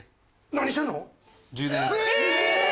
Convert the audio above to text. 何してんの⁉え！